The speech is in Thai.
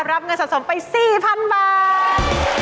รับเงินสะสมไป๔๐๐๐บาท